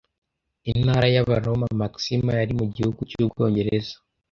Intara y'Abaroma Maxima yari mu gihugu cy'Ubwongereza